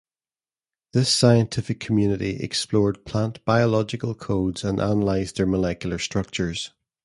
This scientific community explored plant biological codes and analyzed their molecular structures.